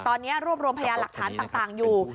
ตอนนี้รวบรวมพยานหลักฐานต่างอยู่